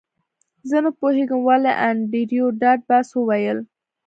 زه نه پوهیږم ولې انډریو ډاټ باس وویل